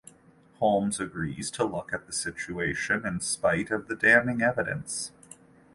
Holmes agrees to look at the situation in spite of the damning evidence.